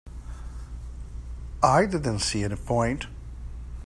I didn't see any point.